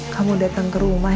kamu datang kerumah